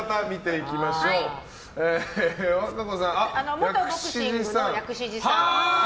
元ボクシングの薬師寺さん。